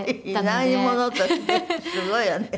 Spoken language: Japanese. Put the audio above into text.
すごいわね。